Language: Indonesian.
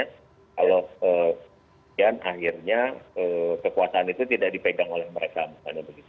kalau akhirnya kekuasaan itu tidak dipegang oleh mereka